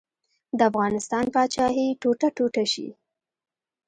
د افغانستان پاچاهي ټوټه ټوټه شي.